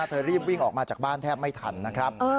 เธอรีบวิ่งออกมาจากบ้านแทบไม่ทันนะครับ